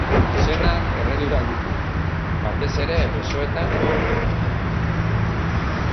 Gizonak erredurak ditu, batez ere besoetan eta hanketan.